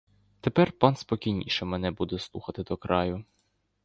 Тепер пан спокійніше мене буде слухати до краю.